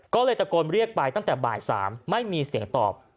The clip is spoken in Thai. ก็เลยตะโกนเรียกไปตั้งแต่บ่าย๓ไม่มีเสียงตอบ